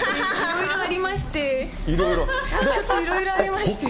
いろいろありまして。